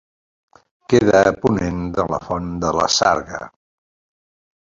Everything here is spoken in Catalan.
Queda a ponent de la Font de la Sarga.